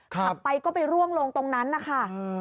ขับไปก็ไปร่วงลงตรงนั้นนะคะ